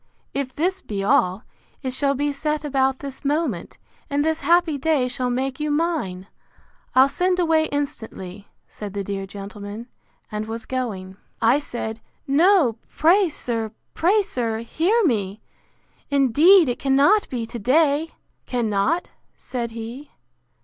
If this be all, it shall be set about this moment, and this happy day shall make you mine!—I'll send away instantly, said the dear gentleman; and was going. I said, No, pray, sir, pray, sir, hear me!—Indeed it cannot be to day!—Cannot! said he.